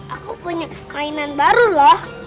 aku punya mainan baru loh